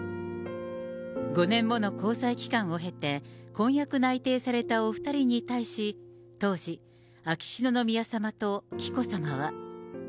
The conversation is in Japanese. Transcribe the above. ５年もの交際期間を経て、婚約内定されたお２人に対し、当時、秋篠宮さまと紀子さまは。